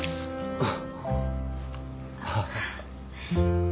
あっ。